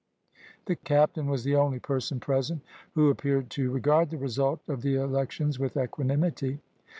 The captain was the only person present who appeared to regard the result of the elections with equanimity.